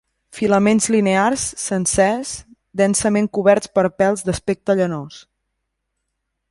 Filaments linears, sencers, densament coberts per pèls d'aspecte llanós.